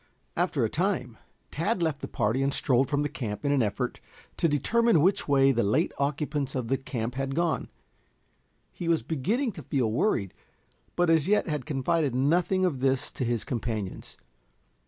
After a time, Tad left the party and strolled from the camp in an effort to determine which way the late occupants of the camp had gone. He was beginning to feel worried, but as yet had confided nothing of this to his companions.